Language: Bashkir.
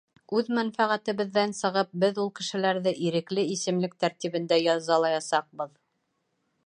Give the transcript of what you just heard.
Үҙ мәнфәғәтебеҙҙән сығып, беҙ ул кешеләрҙе ирекле исемлек тәртибендә язалаясаҡбыҙ.